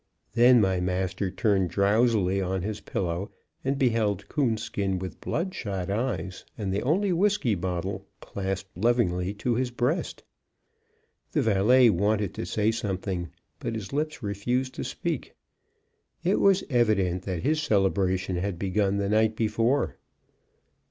Then my master turned drowsily on his pillow, and beheld Coonskin with bloodshot eyes and the only whiskey bottle clasped lovingly to his breast. The valet wanted to say something, but his lips refused to speak. It was evident that his celebration had begun the night before.